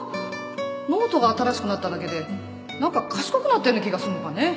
ノートが新しくなっただけで何か賢くなったような気がすんのかね